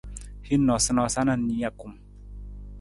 Hin noosanoosa na nijakung.